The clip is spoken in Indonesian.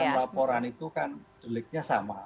ya laporan laporan itu kan deliknya sama